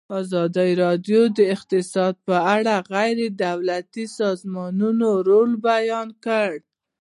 ازادي راډیو د اقتصاد په اړه د غیر دولتي سازمانونو رول بیان کړی.